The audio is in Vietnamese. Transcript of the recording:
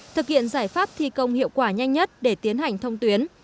thực hiện giải pháp thi công hiệu quả nhanh nhất để tiến hành thông tuyến